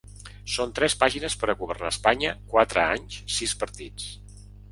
Són tres pàgines per a governar Espanya quatre anys sis partits.